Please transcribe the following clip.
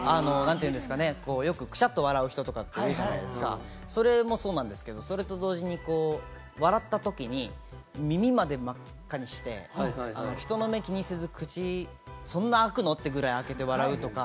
くしゃっと笑う人とか、よく言うじゃないですか、それもそうなんですけれども、それと同時に笑ったときに耳まで真っ赤にして、人の目を気にせず口そんな開くの？ってぐらい開けて笑うとか。